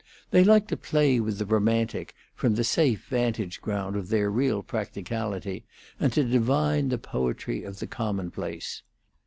They liked to play with the romantic, from the safe vantage ground of their real practicality, and to divine the poetry of the commonplace.